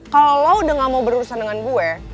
kalau udah gak mau berurusan dengan gue